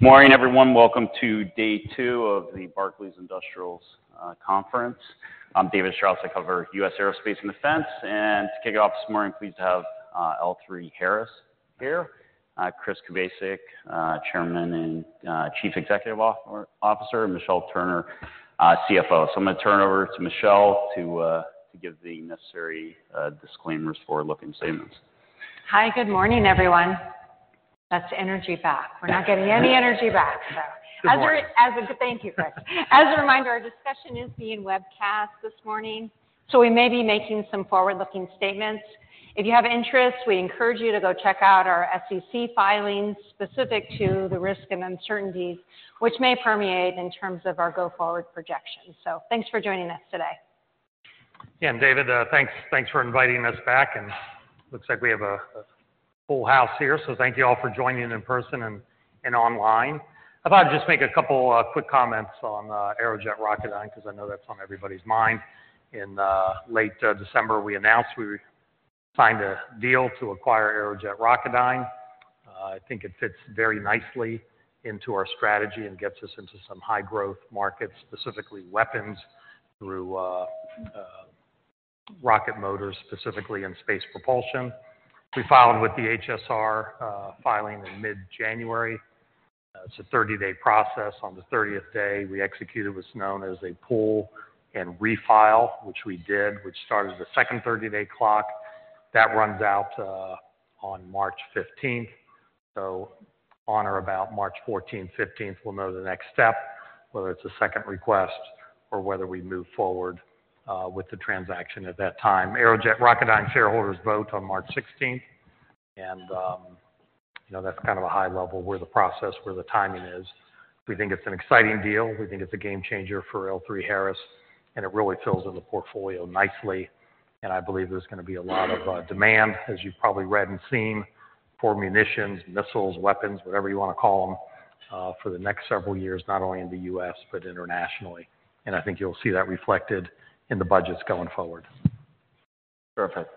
Morning, everyone. Welcome to day two of the Barclays Industrials conference. I'm David Strauss, I cover U.S., Aerospace and Defense. To kick it off this morning, pleased to have L3Harris here, Chris Kubasik, Chairman and Chief Executive Officer, and Michelle Turner, CFO. I'm gonna turn it over to Michelle to give the necessary disclaimers for looking statements. Hi, good morning, everyone. That's energy back. We're not getting any energy back, so. Good morning. Thank you, Chris. As a reminder, our discussion is being webcast this morning, so we may be making some forward looking statements. If you have interest, we encourage you to go check out our SEC filings specific to the risk and uncertainty which may permeate in terms of our go-forward projections. Thanks for joining us today. Yeah. David, thanks for inviting us back. Looks like we have a full house here, so thank you all for joining in person and online. I thought I'd just make a couple quick comments on Aerojet Rocketdyne, because I know that's on everybody's mind. In late December, we announced we signed a deal to acquire Aerojet Rocketdyne. I think it fits very nicely into our strategy and gets us into some high growth markets, specifically weapons through rocket motors, specifically in space propulsion. We filed with the HSR filing in mid-January. It's a 30-day process. On the 30th day, we executed what's known as a pull and refile, which we did, which started the second 30-day clock. That runs out on March 15th. On or about March 14th, 15th, we'll know the next step, whether it's a second request or whether we move forward with the transaction at that time. Aerojet Rocketdyne shareholders vote on March 16th. That's kind of a high level where the process, where the timing is. We think it's an exciting deal. We think it's a game changer for L3Harris and it really fills in the portfolio nicely. I believe there's gonna be a lot of demand, as you've probably read and seen, for munitions, missiles, weapons, whatever you wanna call them, for the next several years, not only in the U.S., but internationally. I think you'll see that reflected in the budgets going forward. Perfect.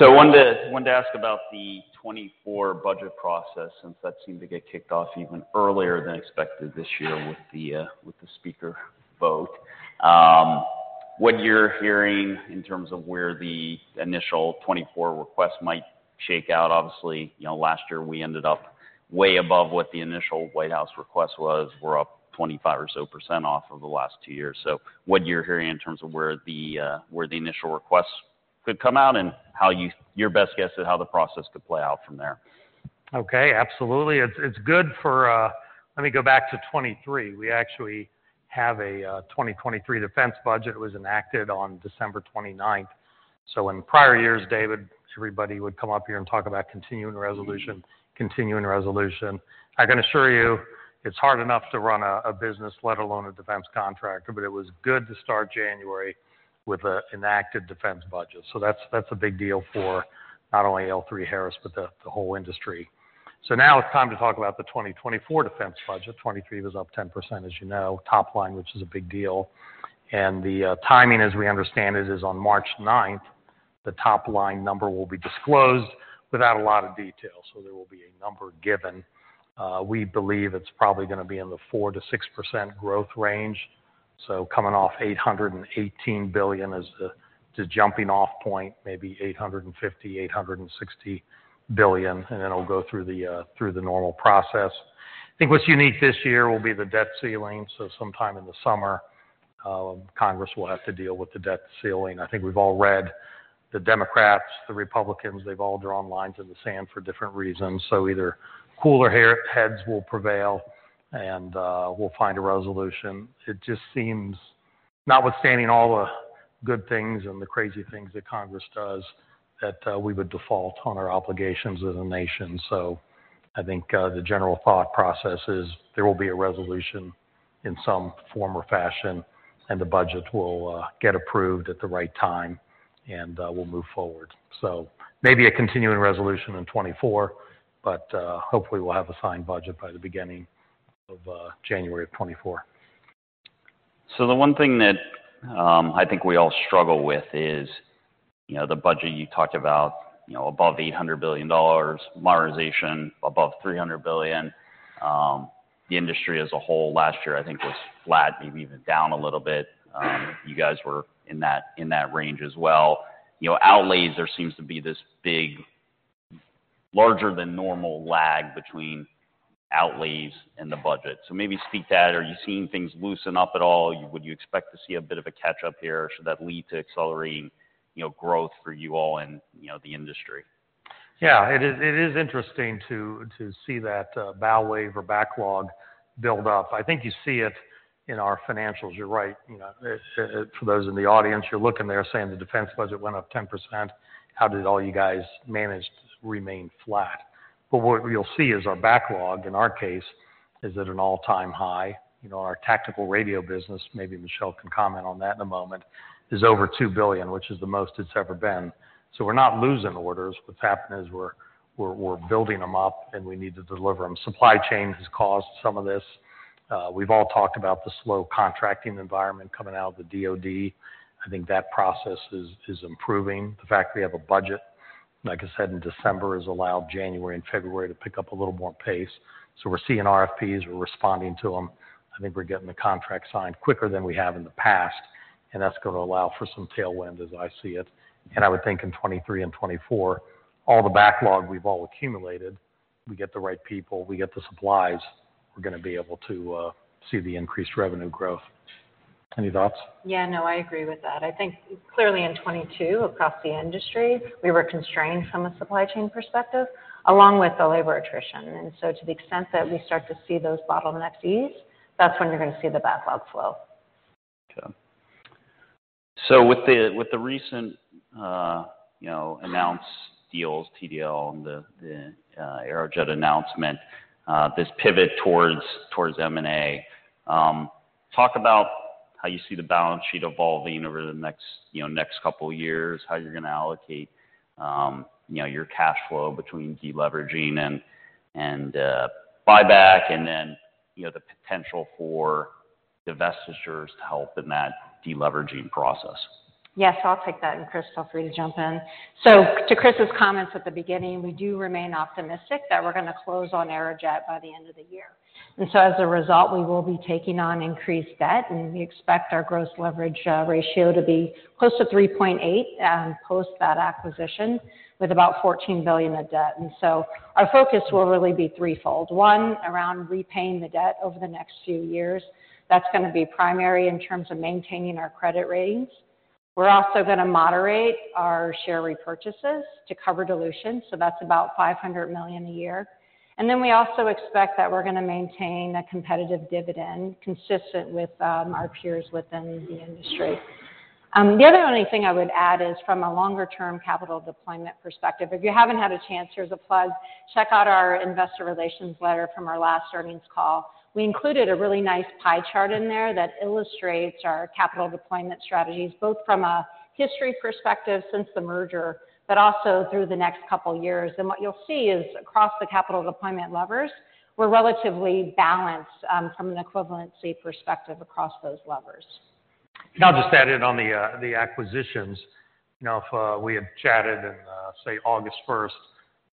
I wanted to ask about the 2024 budget process, since that seemed to get kicked off even earlier than expected this year with the speaker vote. What you're hearing in terms of where the initial 2024 request might shake out. Obviously, last year we ended up way above what the initial White House request was. We're up 25% or so off of the last two years. What you're hearing in terms of where the initial requests could come out and how your best guess at how the process could play out from there? Okay, absolutely. It's good for. Let me go back to 2023. We actually have a 2023 defense budget was enacted on December 29th. In prior years, David, everybody would come up here and talk about continuing resolution, continuing resolution. I can assure you it's hard enough to run a business, let alone a defense contractor. It was good to start January with a enacted defense budget. That's a big deal for not only L3Harris, but the whole industry. Now it's time to talk about the 2024 defense budget. 2023 was up 10%, as you know, top line, which is a big deal. The timing, as we understand it, is on March 9th, the top line number will be disclosed without a lot of detail. There will be a number given. We believe it's probably gonna be in the 4%-6% growth range. Coming off $818 billion as the jumping off point, maybe $850 billion-$860 billion, then it'll go through the normal process. I think what's unique this year will be the debt ceiling. Sometime in the summer, Congress will have to deal with the debt ceiling. I think we've all read the Democrats, the Republicans, they've all drawn lines in the sand for different reasons. Either cooler heads will prevail and we'll find a resolution. It just seems, notwithstanding all the good things and the crazy things that Congress does, that we would default on our obligations as a nation. I think, the general thought process is there will be a resolution in some form or fashion, and the budget will get approved at the right time and we'll move forward. Maybe a continuing resolution in 2024, but hopefully we'll have a signed budget by the beginning of January of 2024. The one thing that, I think we all struggle with is the budget you talked aboutabove $800 billion, modernization above $300 billion. The industry as a whole last year, I think was flat, maybe even down a little bit. You guys were in that, in that range as well. Outlays, there seems to be this big, larger than normal lag between outlays and the budget. Maybe speak to that. Are you seeing things loosen up at all? Would you expect to see a bit of a catch-up here? Should that lead to accelerating growth for you all and the industry? It is interesting to see that bow wave or backlog build up. I think you see it in our financials. You're right. For those in the audience, you're looking there saying the defense budget went up 10%, how did all you guys manage to remain flat? What you'll see is our backlog, in our case, is at an all-time high. Our tactical radio business, maybe Michelle can comment on that in a moment, is over $2 billion, which is the most it's ever been. We're not losing orders. What's happening is we're building them up, and we need to deliver them. Supply chain has caused some of this. We've all talked about the slow contracting environment coming out of the DoD. I think that process is improving. The fact we have a budget, like I said, in December, has allowed January and February to pick up a little more pace. We're seeing RFP, we're responding to them. I think we're getting the contract signed quicker than we have in the past, and that's gonna allow for some tailwind, as I see it. I would think in 2023 and 2024, all the backlog we've all accumulated, we get the right people, we get the supplies, we're gonna be able to see the increased revenue growth. Any thoughts? Yeah. No, I agree with that. I think clearly in 2022 across the industry, we were constrained from a supply chain perspective, along with the labor attrition. To the extent that we start to see those bottlenecks ease, that's when you're gonna see the backlog flow. Okay. With the recent announced deals, TDL and the Aerojet announcement, this pivot towards M&A, talk about how you see the balance sheet evolving over the next couple of years, how you're gonna allocate your cash flow between deleveraging and buyback, and then the potential for divestitures to help in that deleveraging process? Yes, I'll take that. Chris, feel free to jump in. To Chris's comments at the beginning, we do remain optimistic that we're going to close on Aerojet by the end of the year. As a result, we will be taking on increased debt, and we expect our gross leverage ratio to be close to 3.8 post that acquisition with about $14 billion of debt. Our focus will really be threefold. One, around repaying the debt over the next few years. That's going to be primary in terms of maintaining our credit ratings. We're also going to moderate our share repurchases to cover dilution, so that's about $500 million a year. We also expect that we're going to maintain a competitive dividend consistent with our peers within the industry. The other only thing I would add is from a longer-term capital deployment perspective, if you haven't had a chance, here's a plug. Check out our investor relations letter from our last earnings call. We included a really nice pie chart in there that illustrates our capital deployment strategies, both from a history perspective since the merger, but also through the next couple years. What you'll see is across the capital deployment levers, we're relatively balanced, from an equivalency perspective across those levers. I'll just add in on the acquisitions. If we had chatted in, say, August 1st,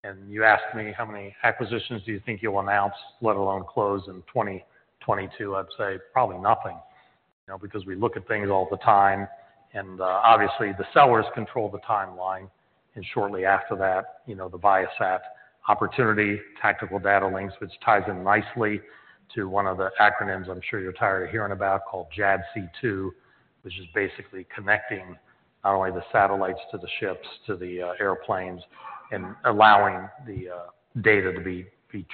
and you asked me, "How many acquisitions do you think you'll announce, let alone close in 2022?" I'd say, "Probably nothing." You know, because we look at things all the time, and obviously the sellers control the timeline. Shortly after that, you know, the Viasat opportunity, tactical data links, which ties in nicely to one of the acronyms I'm sure you're tired of hearing about called JADC2, which is basically connecting not only the satellites to the ships, to the airplanes, and allowing the data to be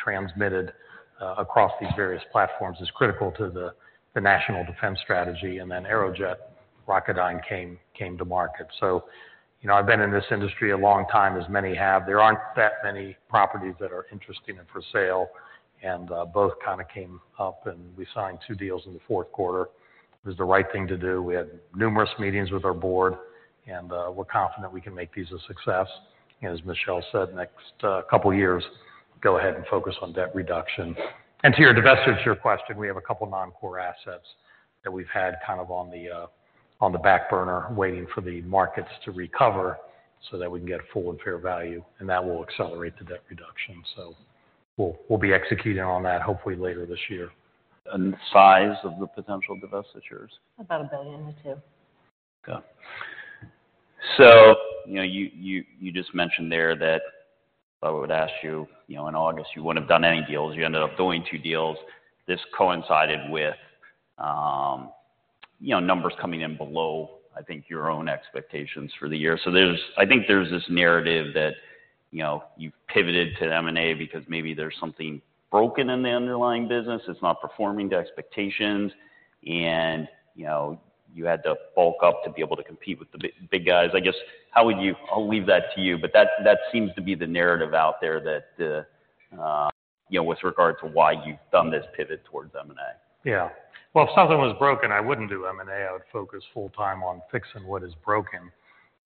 transmitted across these various platforms, is critical to the national defense strategy. Aerojet Rocketdyne came to market. I've been in this industry a long time, as many have. There aren't that many properties that are interesting and for sale, and both kind of came up, and we signed two deals in the fourth quarter. It was the right thing to do. We had numerous meetings with our board, and we're confident we can make these a success. As Michelle said, next couple years, go ahead and focus on debt reduction. To your divestiture question, we have a couple non-core assets that we've had kind of on the back burner waiting for the markets to recover so that we can get full and fair value, and that will accelerate the debt reduction. We'll be executing on that hopefully later this year. The size of the potential divestitures? About $1 billion or $2 billion. You just mentioned there that if I would ask you in August, you wouldn't have done any deals. You ended up doing two deals. This coincided with numbers coming in below, I think, your own expectations for the year. I think there's this narrative that you've pivoted to M&A because maybe there's something broken in the underlying business. It's not performing to expectations, and you had to bulk up to be able to compete with the big guys. I guess, how would you? I'll leave that to you, that seems to be the narrative out there that with regard to why you've done this pivot towards M&A. Well, if something was broken, I wouldn't do M&A. I would focus full-time on fixing what is broken.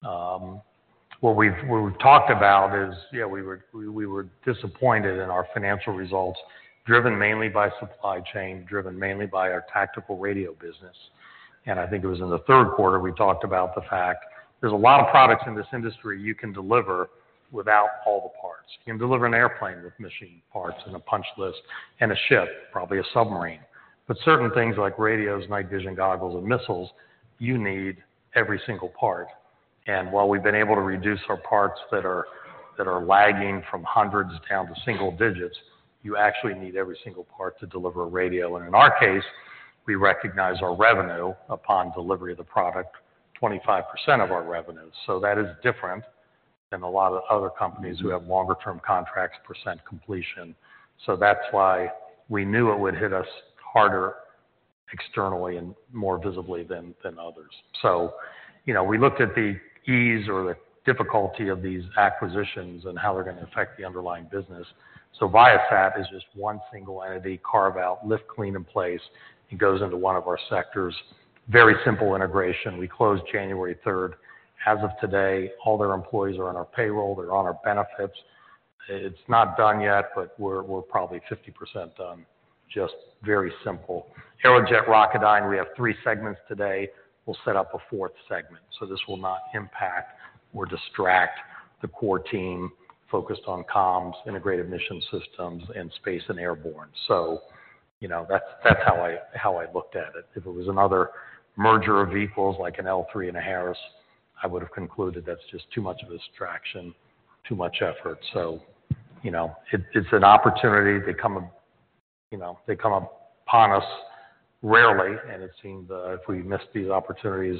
What we've talked about is, yeah, we were disappointed in our financial results, driven mainly by supply chain, driven mainly by our tactical radio business. I think it was in the third quarter, we talked about the fact there's a lot of products in this industry you can deliver without all the parts. You can deliver an airplane with machine parts and a punch list and a ship, probably a submarine. Certain things like radios, night vision goggles, and missiles, you need every single part. While we've been able to reduce our parts that are lagging from hundreds down to single digits, you actually need every single part to deliver a radio. In our case, we recognize our revenue upon delivery of the product, 25% of our revenue. That is different than a lot of other companies who have longer term contracts percent completion. That's why we knew it would hit us harder externally and more visibly than others. We looked at the ease or the difficulty of these acquisitions and how they're gonna affect the underlying business. Viasat is just one single entity, carve out, lift clean in place. It goes into one of our sectors. Very simple integration. We closed January third. As of today, all their employees are on our payroll, they're on our benefits. It's not done yet, but we're probably 50% done. Just very simple. Aerojet Rocketdyne, we have three segments today. We'll set up a fourth segment. This will not impact or distract the core team focused on Comms, Integrated Mission Systems, and Space and Airborne Systems. You know, that's how I looked at it. If it was another merger of equals, like an L3 and a Harris, I would have concluded that's just too much of a distraction, too much effort. You know, it's an opportunity. They come, you know, they come upon us rarely, and it seemed if we missed these opportunities,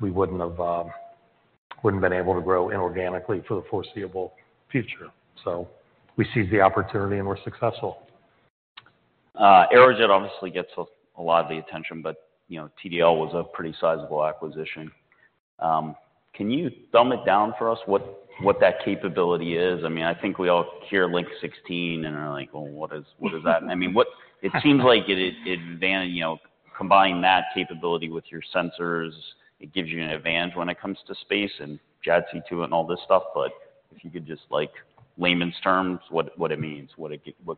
we wouldn't have been able to grow inorganically for the foreseeable future. We seized the opportunity, and we're successful. Aerojet obviously gets a lot of the attention. TDL was a pretty sizable acquisition. Can you thumb it down for us what that capability is? I mean, I think we all hear Link-16, and are like, "Well, what is, what is that?" I mean, it seems like it combine that capability with your sensors, it gives you an advantage when it comes to space and JADC2 and all this stuff. If you could just, like, layman's terms, what it means, what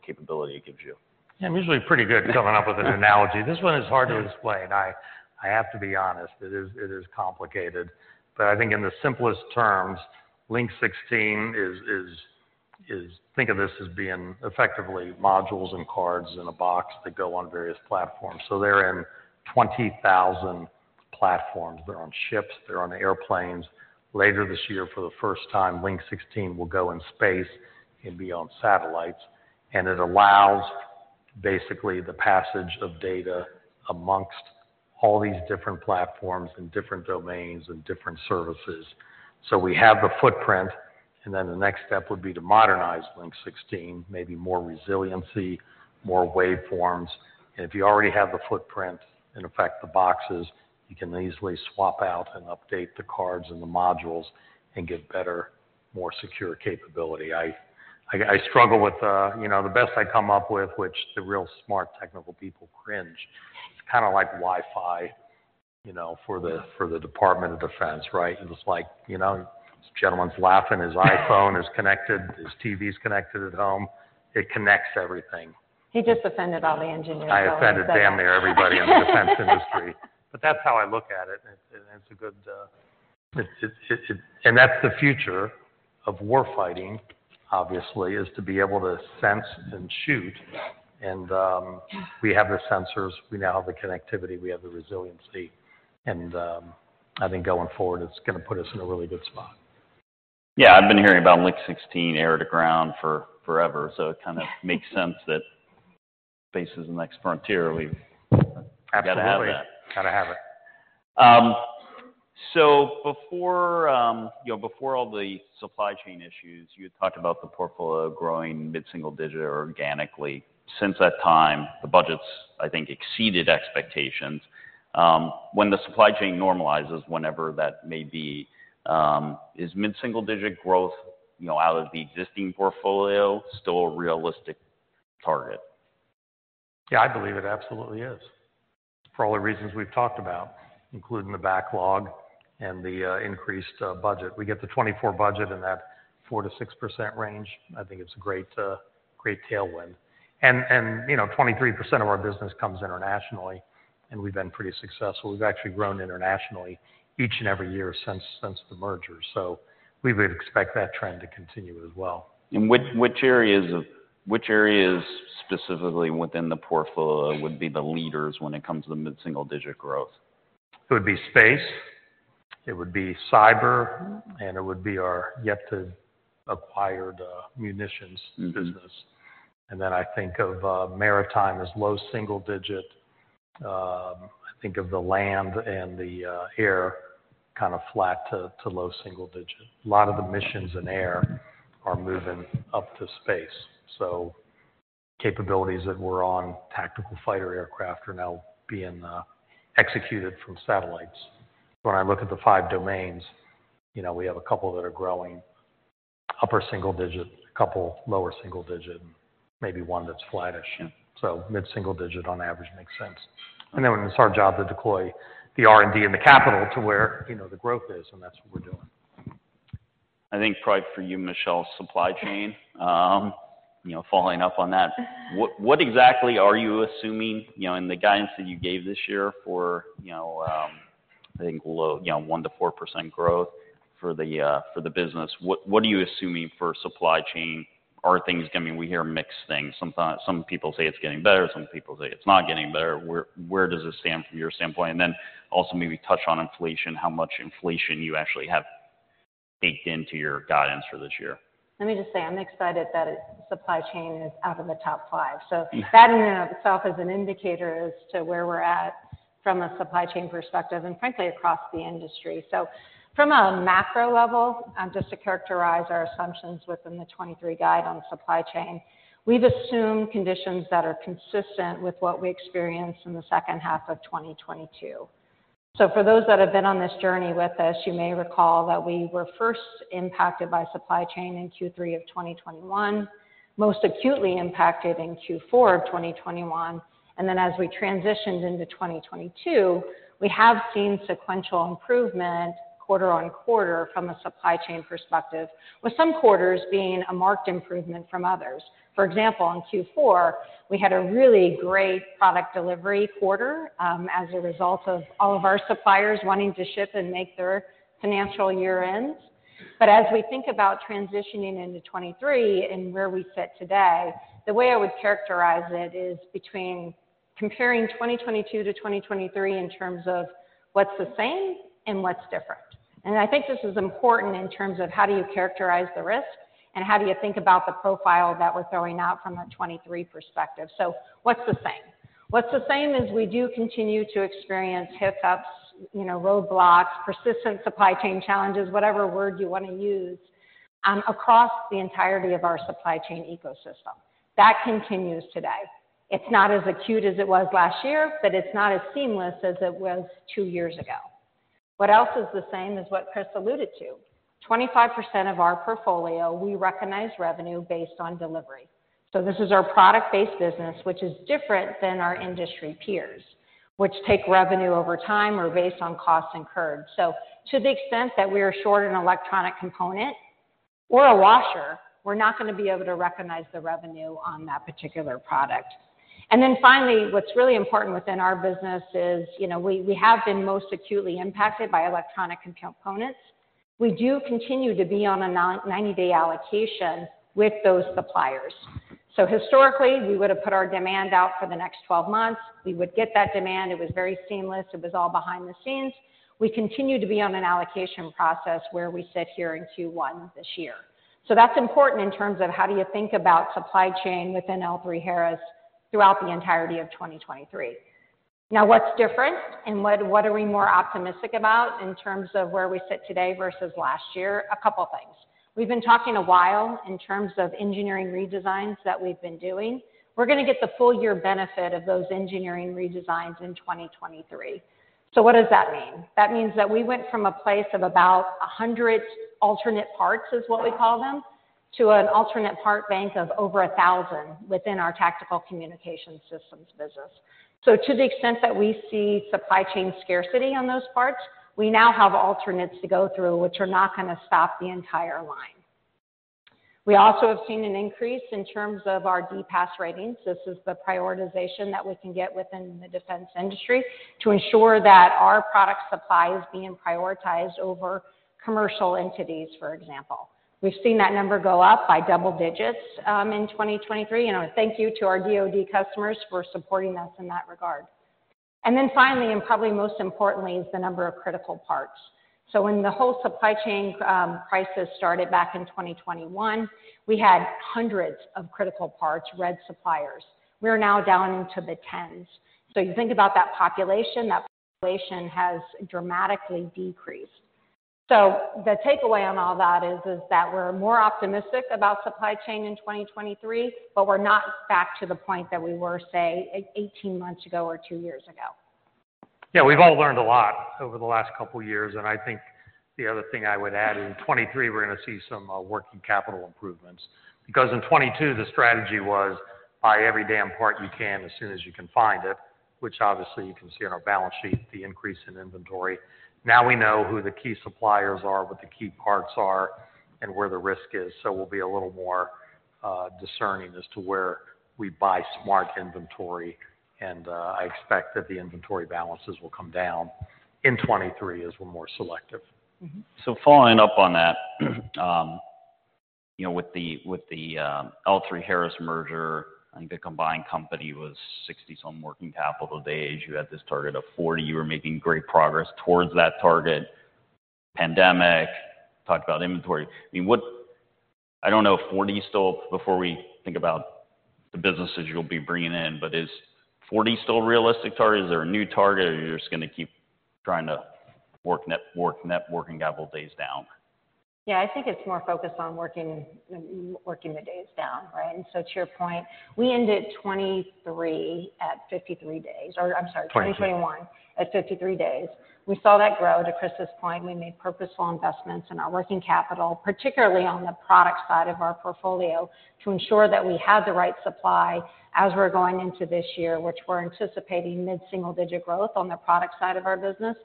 capability it gives you. Yeah, I'm usually pretty good coming up with an analogy. This one is hard to explain. I have to be honest, it is complicated. I think in the simplest terms, Link 16 is effectively modules and cards in a box that go on various platforms. They're in 20,000 platforms. They're on ships. They're on airplanes. Later this year, for the first time, Link 16 will go in space and be on satellites. It allows basically the passage of data amongst all these different platforms and different domains and different services. We have the footprint, and then the next step would be to modernize Link 16, maybe more resiliency, more waveforms. If you already have the footprint, in effect, the boxes, you can easily swap out and update the cards and the modules and get better, more secure capability. I struggle with the best I come up with, which the real smart technical people cringe, it's kind of like Wi-Fi for the Department of Defense, right? It was like, you know, this gentleman's laughing. His iPhone is connected. His TV's connected at home. It connects everything. He just offended all the engineers. I offended damn near everybody in the defense industry. That's how I look at it. It's a good. That's the future of war fighting, obviously, is to be able to sense and shoot. We have the sensors, we now have the connectivity, we have the resiliency, I think going forward, it's gonna put us in a really good spot. Yeah, I've been hearing about Link 16 air to ground for forever, so it kind of makes sense that space is the next frontier. We've got to have that. Absolutely. Gotta have it. Before all the supply chain issues, you had talked about the portfolio growing mid-single digit organically. Since that time, the budget's, I think, exceeded expectations. When the supply chain normalizes, whenever that may be, is mid-single digit growth out of the existing portfolio still a realistic target? Yeah, I believe it absolutely is. For all the reasons we've talked about, including the backlog and the increased budget. We get the 2024 budget in that 4%-6% range. I think it's a great great tailwind. You know, 23% of our business comes internationally, and we've been pretty successful. We've actually grown internationally each and every year since the merger. We would expect that trend to continue as well. Which areas specifically within the portfolio would be the leaders when it comes to mid-single digit growth? It would be space, it would be cyber, and it would be our yet to acquired, munitions business. I think of maritime as low single digit. I think of the land and the air kind of flat to low single digit. A lot of the missions in air are moving up to space. Capabilities that were on tactical fighter aircraft are now being executed from satellites. When I look at the five domains we have a couple that are growing upper single digit, a couple lower single digit, maybe one that's flattish. Yeah. Mid-single digit on average makes sense. It's our job to deploy the R&D and the capital to where the growth is and that's what we're doing. I think probably for you, Michelle, supply chain following up on that. What exactly are you assuming in the guidance that you gave this year for I think low 1%-4% growth for the business. What are you assuming for supply chain? We hear mixed things. Some people say it's getting better, some people say it's not getting better. Where does it stand from your standpoint? Then also maybe touch on inflation, how much inflation you actually have baked into your guidance for this year. Let me just say, I'm excited that supply chain is out of the top five. That in and of itself is an indicator as to where we're at from a supply chain perspective and frankly, across the industry. From a macro level, just to characterize our assumptions within the 2023 guide on supply chain, we've assumed conditions that are consistent with what we experienced in the second half of 2022. For those that have been on this journey with us, you may recall that we were first impacted by supply chain in Q3 of 2021, most acutely impacted in Q4 of 2021. As we transitioned into 2022, we have seen sequential improvement quarter on quarter from a supply chain perspective, with some quarters being a marked improvement from others. For example, in Q4, we had a really great product delivery quarter, as a result of all of our suppliers wanting to ship and make their financial year ends. As we think about transitioning into 2023 and where we sit today, the way I would characterize it is between comparing 2022 to 2023 in terms of what's the same and what's different. I think this is important in terms of how do you characterize the risk and how do you think about the profile that we're throwing out from a 2023 perspective. What's the same? What's the same is we do continue to experience hiccups, roadblocks, persistent supply chain challenges, whatever word you want to use, across the entirety of our supply chain ecosystem. That continues today. It's not as acute as it was last year, but it's not as seamless as it was two years ago. What else is the same is what Chris alluded to. 25% of our portfolio, we recognize revenue based on delivery. This is our product-based business, which is different than our industry peers, which take revenue over time or based on costs incurred. To the extent that we are short an electronic component or a washer, we're not going to be able to recognize the revenue on that particular product. Finally, what's really important within our business is we have been most acutely impacted by electronic components. We do continue to be on a 90-day allocation with those suppliers. Historically, we would have put our demand out for the next 12 months. We would get that demand. It was very seamless. It was all behind the scenes. We continue to be on an allocation process where we sit here in Q1 this year. That's important in terms of how do you think about supply chain within L3Harris throughout the entirety of 2023. What's different and what are we more optimistic about in terms of where we sit today versus last year? A couple of things. We've been talking a while in terms of engineering redesigns that we've been doing. We're going to get the full year benefit of those engineering redesigns in 2023. What does that mean? That means that we went from a place of about 100 alternate parts, is what we call them, to an alternate part bank of over 1,000 within our tactical communication systems business. To the extent that we see supply chain scarcity on those parts, we now have alternates to go through which are not going to stop the entire line. We also have seen an increase in terms of our DPAS ratings. This is the prioritization that we can get within the defense industry to ensure that our product supply is being prioritized over commercial entities, for example. We've seen that number go up by double digits in 2023. Thank you to our DoD customers for supporting us in that regard. Finally, and probably most importantly, is the number of critical parts. When the whole supply chain crisis started back in 2021, we had hundreds of critical parts, red suppliers. We are now down into the tens. You think about that population, that population has dramatically decreased. The takeaway on all that is that we're more optimistic about supply chain in 2023, but we're not back to the point that we were, say, 18 months ago or two years ago. Yeah, we've all learned a lot over the last couple of years. I think the other thing I would add, in 2023 we're going to see some working capital improvements. Because in 2022 the strategy was buy every damn part you can as soon as you can find it, which obviously you can see on our balance sheet, the increase in inventory. Now we know who the key suppliers are, what the key parts are, and where the risk is. We'll be a little more discerning as to where we buy smart inventory. I expect that the inventory balances will come down in 2023 as we're more selective. Following up on that, with the, with the, L3Harris merger, I think the combined company was 60-some working capital days. You had this target of 40. You were making great progress towards that target. pandemic, talked about inventory. I mean, I don't know if 40 is still before we think about the businesses you'll be bringing in, but is 40 still a realistic target? Is there a new target, or are you just going to keep trying to work net working capital days down? Yeah. I think it's more focused on working the days down, right? To your point, we ended 2023 at 53 days or I'm sorry. 2021. 2021 at 53 days. We saw that grow. To Chris's point, we made purposeful investments in our working capital, particularly on the product side of our portfolio, to ensure that we had the right supply as we're going into this year, which we're anticipating mid-single-digit growth on the product side of our business.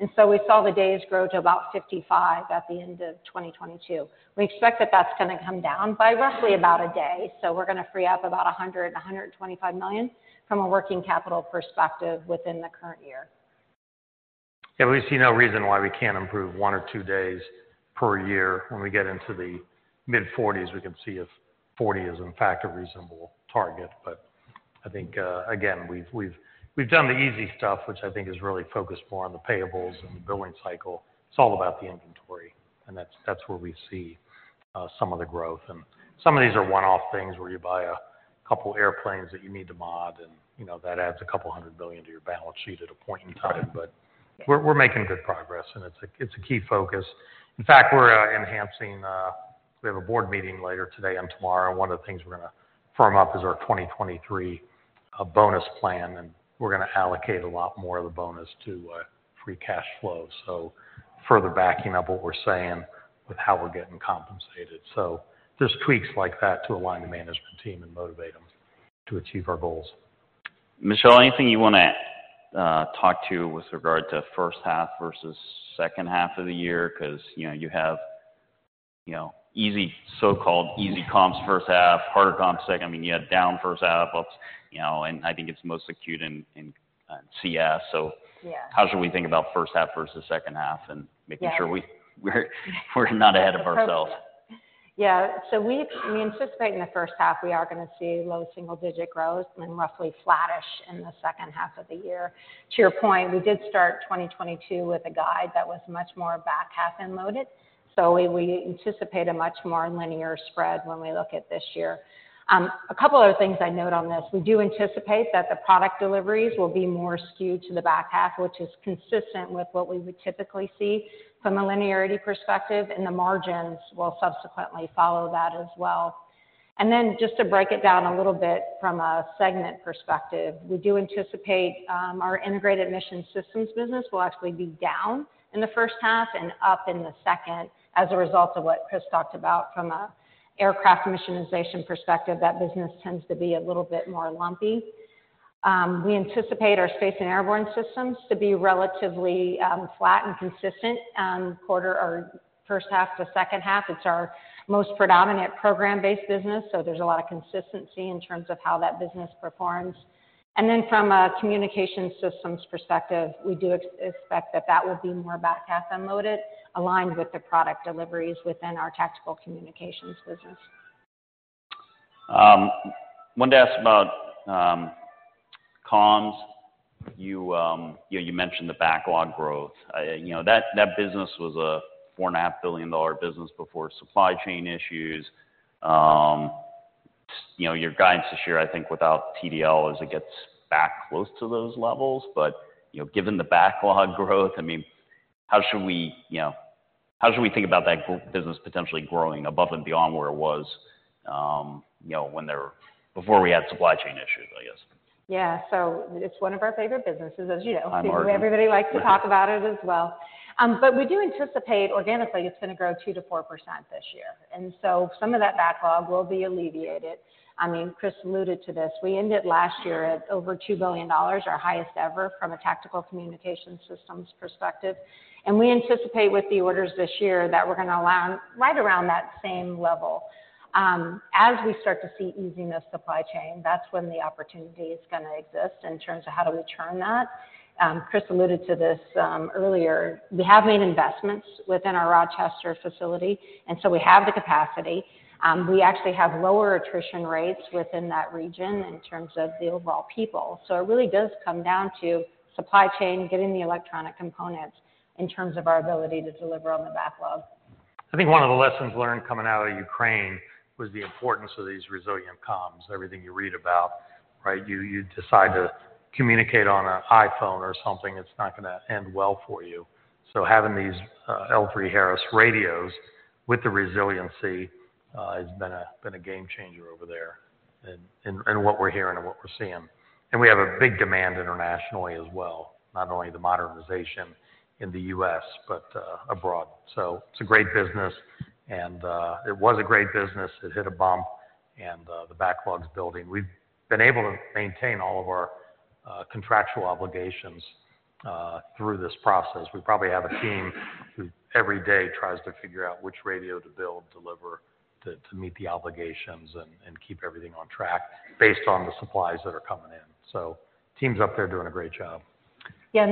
We saw the days grow to about 55 at the end of 2022. We expect that that's going to come down by roughly about one day. We're going to free up about $125 million from a working capital perspective within the current year. Yeah, we see no reason why we can't improve one or two days per year. When we get into the mid-40s, we can see if 40 is in fact a reasonable target. I think, again, we've done the easy stuff, which I think is really focused more on the payables and the billing cycle. It's all about the inventory, and that's where we see some of the growth. Some of these are one-off things where you buy a couple airplanes that you need to mod and, you know, that adds a couple hundred billion to your balance sheet at a point in time. We're making good progress, and it's a key focus. In fact, we're. We have a board meeting later today and tomorrow. One of the things we're gonna firm up is our 2023 bonus plan. We're gonna allocate a lot more of the bonus to free cash flow. Further backing up what we're saying with how we're getting compensated. Just tweaks like that to align the management team and motivate them to achieve our goals. Michelle, anything you wanna talk to with regard to first half versus second half of the year? You know, you have, you know, so called easy comps first half, harder comps second. I mean, you had down first half up I think it's most acute in CS. Yeah. How should we think about first half versus second half and making sure? Yeah. We're not ahead of ourselves. We anticipate in the first half we are gonna see low single-digit growth and then roughly flattish in the second half of the year. To your point, we did start 2022 with a guide that was much more back half end loaded. We anticipate a much more linear spread when we look at this year. A couple other things I note on this. We do anticipate that the product deliveries will be more skewed to the back half, which is consistent with what we would typically see from a linearity perspective, and the margins will subsequently follow that as well. Just to break it down a little bit from a segment perspective, we do anticipate our Integrated Mission Systems business will actually be down in the first half and up in the second as a result of what Chris talked about from an aircraft missionization perspective. That business tends to be a little bit more lumpy. We anticipate our Space and Airborne Systems to be relatively flat and consistent quarter or first half to second half. It's our most predominant program based business, so there's a lot of consistency in terms of how that business performs. From a Communication Systems perspective, we do expect that that will be more back half end loaded, aligned with the product deliveries within our tactical communications business. Wanted to ask about comms. You mentioned the backlog growth. That business was a $4.5 billion business before supply chain issues. Your guidance this year, I think, without TDL, as it gets back close to those levels. Given the backlog growth, I mean, how should we, how should we think about that business potentially growing above and beyond where it was, before we had supply chain issues, I guess? Yeah. It's one of our favorite businesses, as you know. All right. Everybody likes to talk about it as well. We do anticipate organically it's gonna grow 2%-4% this year. Some of that backlog will be alleviated. I mean, Chris alluded to this. We ended last year at over $2 billion, our highest ever from a tactical communication systems perspective. We anticipate with the orders this year that we're gonna land right around that same level. As we start to see easing the supply chain, that's when the opportunity is gonna exist in terms of how do we turn that. Chris alluded to this earlier. We have made investments within our Rochester facility, we have the capacity. We actually have lower attrition rates within that region in terms of the overall people. It really does come down to supply chain, getting the electronic components in terms of our ability to deliver on the backlog. I think one of the lessons learned coming out of Ukraine was the importance of these resilient comms, everything you read about, right? You decide to communicate on a iPhone or something, it's not gonna end well for you. Having these L3Harris radios with the resiliency has been a game changer over there in what we're hearing and what we're seeing. We have a big demand internationally as well, not only the modernization in the U.S., but abroad. It's a great business and it was a great business. It hit a bump and the backlog's building. We've been able to maintain all of our contractual obligations through this process. We probably have a team who every day tries to figure out which radio to build, deliver to meet the obligations and keep everything on track based on the supplies that are coming in. Team's up there doing a great job. Yeah.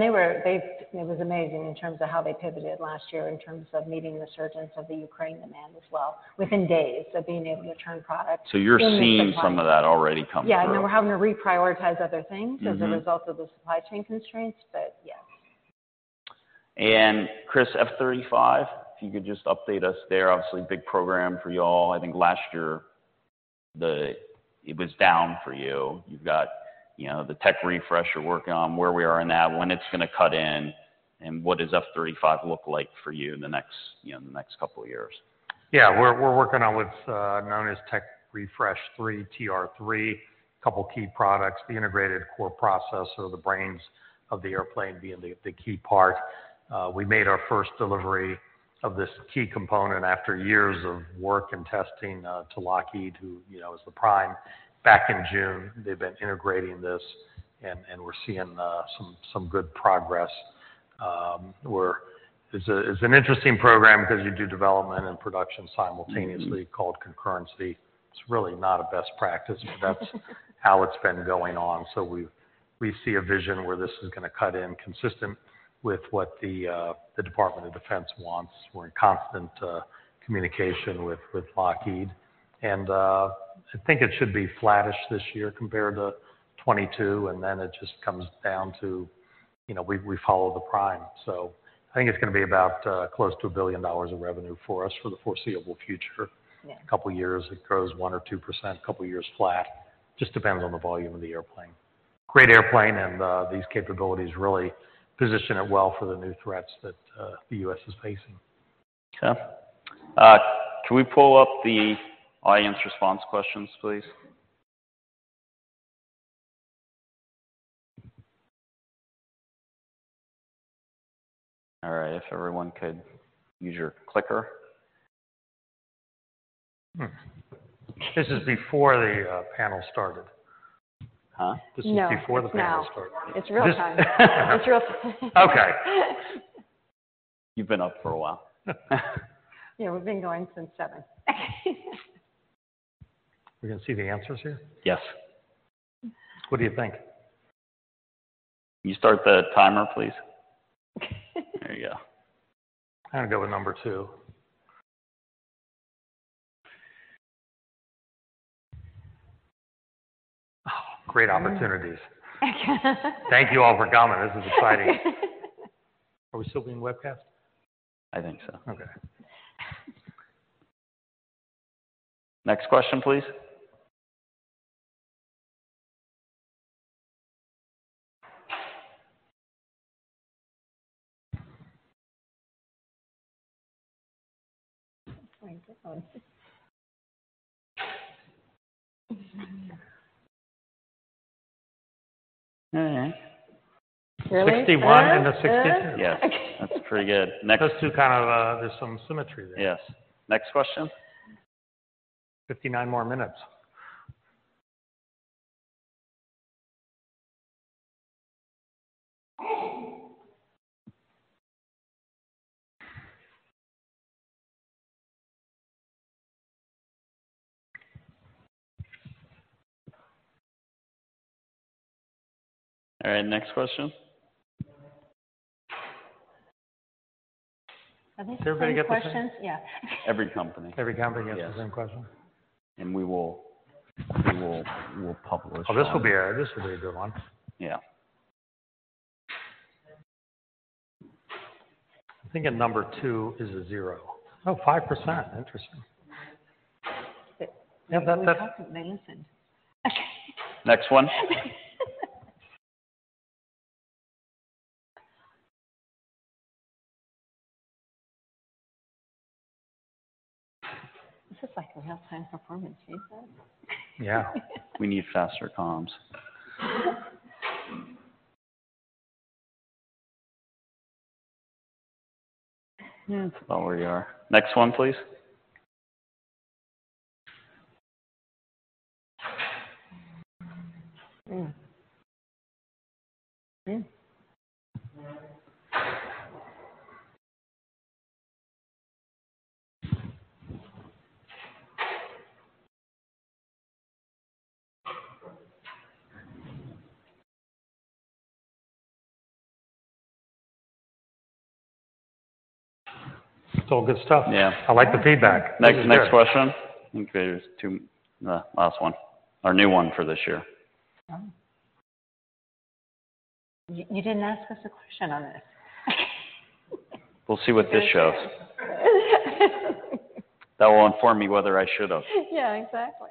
It was amazing in terms of how they pivoted last year in terms of meeting the surge of the Ukraine demand as well within days of being able to turn product. You're seeing some of that already coming through. Yeah. We're having to reprioritize other things. As a result of the supply chain constraints. Yes. Chris, F-35, if you could just update us there. Obviously big program for you all. I think last year it was down for you. You've got the tech refresh you're working on, where we are in that, when it's gonna cut in, and what does F-35 look like for you in the next in the next couple of years? Yeah. We're working on what's known as Technology Refresh 3, TR-3. Couple key products, the Integrated Core Processor, the brains of the airplane being the key part. We made our first delivery of this key component after years of work and testing to Lockheed, who is the prime, back in June. They've been integrating this and we're seeing some good progress. It's an interesting program because you do development and production simultaneously called concurrency. It's really not a best practice. That's how it's been going on. We see a vision where this is gonna cut in consistent with what the Department of Defense wants. We're in constant communication with Lockheed. I think it should be flattish this year compared to 2022, it just comes down to, we follow the prime. I think it's gonna be about close to $1 billion of revenue for us for the foreseeable future. Yeah. A couple of years it grows 1% or 2%, couple of years flat, just depends on the volume of the airplane. Great airplane. These capabilities really position it well for the new threats that the U.S., is facing. Okay. Can we pull up the audience response questions, please? All right. If everyone could use your clicker. This is before the panel started. Huh? This is before the panel started. No, no. It's real time. It's real time. Okay. You've been up for a while. Yeah, we've been going since seven. We're gonna see the answers here? Yes. What do you think? Can you start the timer, please? There you go. I'm gonna go with number two. Oh, great opportunities. Thank you all for coming. This is exciting. Are we still being webcast? I think so. Okay. Next question, please. Wait. Oh. All right. Really? 61 and a 62. Good. Yes. That's pretty good. Next. Those two kind of, there's some symmetry there. Yes. Next question. 59 more minutes. All right, next question. Are these the same questions? Did everybody get the same? Yeah. Every company. Every company gets the same question? Yes. We will, we'll publish that one. Oh, this will be a good one. Yeah. I think a number two is a 0.05%. Interesting. We're talking. They listened. Next one. This is like a real-time performance. Yeah. We need faster comms. That's about where you are. Next one, please. It's all good stuff. Yeah. I like the feedback. Next question. Okay, the last one. Our new one for this year. Oh. You didn't ask us a question on this. We'll see what this shows. That will inform me whether I should have. Yeah, exactly.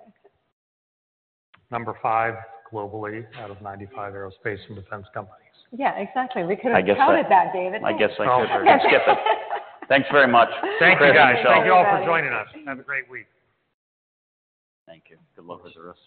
Number five globally out of 95 aerospace and defense companies. Yeah, exactly. We could have covered that, David. I guess so. I guess I should have. We're gonna skip it. Thanks very much. Thank you, guys. Thank you all for joining us. Have a great week. Thank you. Good luck with the rest.